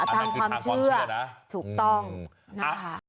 ตามความเชื่อถูกต้องนะคะ